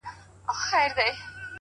وايې "خـــره! ستا لهٔ خيده ســره څهٔ دي"